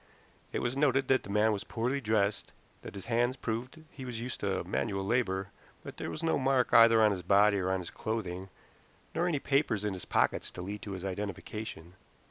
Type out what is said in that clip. It was noted that the man was poorly dressed, that his hands proved he was used to manual labor, but there was no mark either on his body or on his clothing, nor any papers in his pockets to lead to his identification.